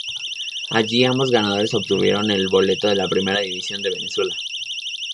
Allí ambos ganadores obtuvieron el boleto a la Primera División de Venezuela.